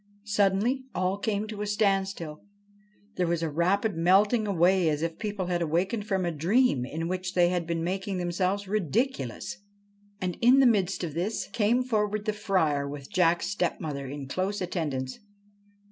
Suddenly all came to a standstill. There was a rapid melting away as if people had awakened from a dream in which they had been making themselves ridiculous. And, in the midst of this, came forward the Friar with Jack's stepmother in close attendance.